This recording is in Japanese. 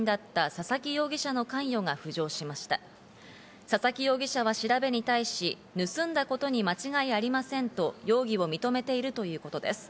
佐々木容疑者は調べに対し、盗んだことに間違いありませんと容疑を認めているということです。